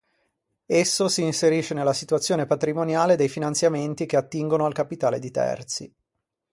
Esso si inserisce nella situazione patrimoniale dei finanziamenti che attingono al capitale di terzi.